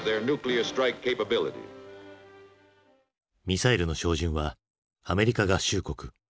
ミサイルの照準はアメリカ合衆国。